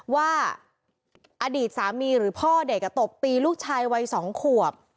ว่าอดีตสามีหรือพ่อเด็กตบตีลูกชายวัย๒ขวบ